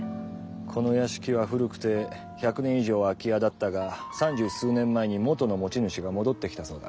この屋敷は古くて１００年以上空き家だったが三十数年前に元の持ち主が戻ってきたそうだ。